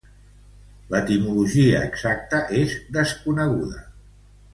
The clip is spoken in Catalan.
L'etimologia exacta és desconeguda.